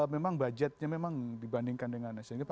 memang budgetnya memang dibandingkan dengan asian games